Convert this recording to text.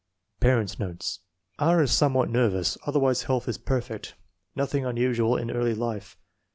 Parents 9 nates. R. is somewhat nervous; otherwise health is perfect. Nothing unusual in early life.